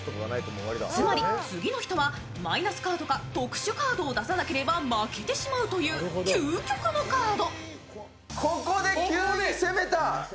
つまり次の人はマイナスカードか特殊カードを出さなければ負けてしまうという究極のカード。